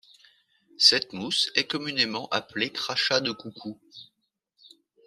Cette mousse est communément appelée crachat de coucou.